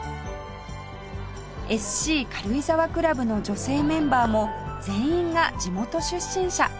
ＳＣ 軽井沢クラブの女性メンバーも全員が地元出身者